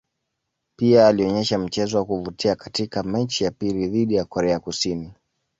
Pia alionyesha mchezo wa kuvutia katika mechi ya pili dhidi ya Korea Kusini.